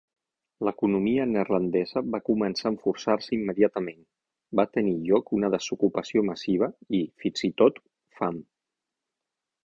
L'economia neerlandesa va començar a enfonsar-se immediatament: va tenir lloc una desocupació massiva i, fins i tot, fam.